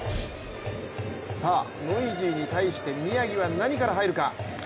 ノイジーに対して宮城は何から入るか。